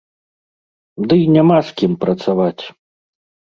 Дый няма з кім працаваць.